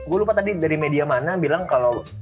gue lupa tadi dari media mana bilang kalau